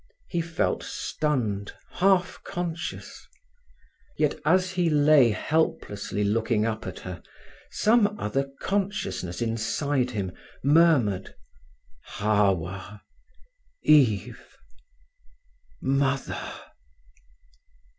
He felt stunned, half conscious. Yet as he lay helplessly looking up at her some other consciousness inside him murmured; "Hawwa—Eve—Mother!"